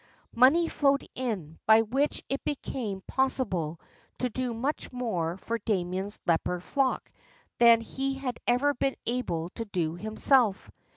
Money flowed in, by which it became possible to do much more for Damien's leper flock than he had ever been able to do himself.